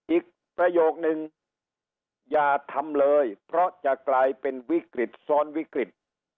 ประโยคนึงอย่าทำเลยเพราะจะกลายเป็นวิกฤตซ้อนวิกฤต